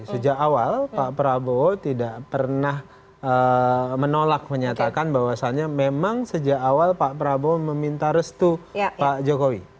sejak awal pak prabowo tidak pernah menolak menyatakan bahwasannya memang sejak awal pak prabowo meminta restu pak jokowi